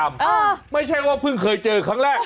ไม่ใช่ว่าเพิ่งเคยเจอครั้งแรก